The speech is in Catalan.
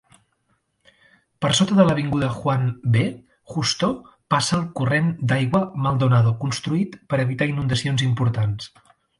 Per sota de l'avinguda Juan B. Justo passa el corrent d'aigua Maldonado, construït per evitar inundacions importants.